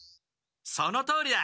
そのとおりだ！